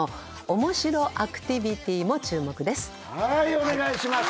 お願いします。